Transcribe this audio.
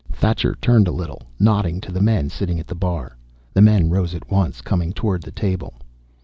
Thacher turned a little, nodding to the men sitting at the bar. The men rose at once, coming toward the table.